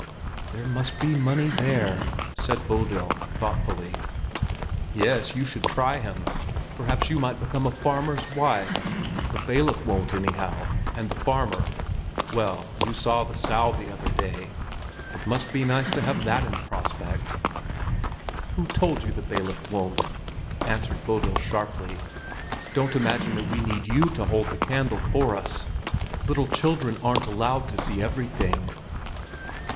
"There must be money there!" said Bodil, thoughtfully. "Yes, you should try him; perhaps you might become a farmer's wife. The bailiff won't anyhow; and the farmer—well, you saw the Sow the other day; it must be nice to have that in prospect." "Who told you that the bailiff won't?" answered Bodil sharply. "Don't imagine that we need you to hold the candle for us! Little children aren't allowed to see everything."